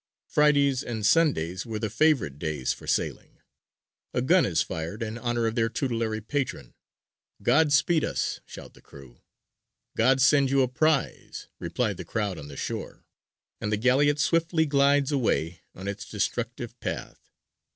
Fridays and Sundays were the favourite days for sailing; a gun is fired in honour of their tutelary patron; "God speed us!" shout the crew; "God send you a prize!" reply the crowd on the shore, and the galleot swiftly glides away on its destructive path.